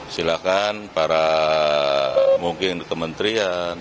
silakan para mungkin kementerian